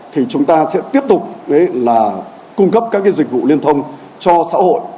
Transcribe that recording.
thì chúng ta sẽ tiếp tục là cung cấp các dịch vụ liên thông cho xã hội